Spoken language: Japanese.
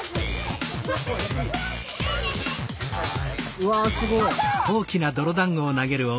うわすごい。